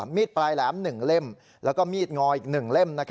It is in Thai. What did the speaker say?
มีดปลายแหลม๑เล่มแล้วก็มีดงออีก๑เล่ม